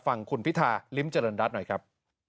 ฟังคุณพิธาลิ้มเจริญรัฐหน่อยครับ